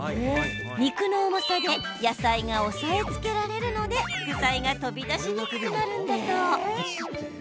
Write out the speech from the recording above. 肉の重さで野菜が押さえつけられるので具材が飛び出しにくくなるんだそう。